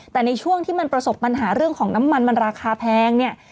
แต่ในช่วงที่มันประสบปัญหาเรื่องของน้ำมันมันราคาแพงเนี่ย